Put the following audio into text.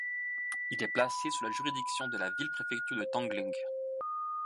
Il est placé sous la juridiction de la ville-préfecture de Tongling.